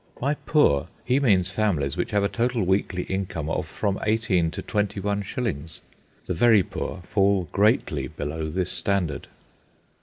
By poor he means families which have a total weekly income of from eighteen to twenty one shillings. The very poor fall greatly below this standard.